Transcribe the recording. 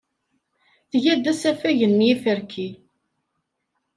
Tga-d asafag n yiferki.